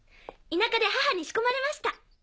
田舎で母に仕込まれました。